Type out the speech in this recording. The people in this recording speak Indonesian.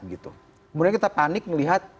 kemudian kita panik melihat